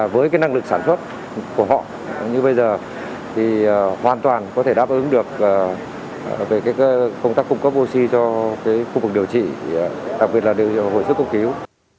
với năng lực sản xuất của họ như bây giờ thì hoàn toàn có thể đáp ứng được công tác cung cấp oxy cho khu vực điều trị đặc biệt là hội sức cung cứu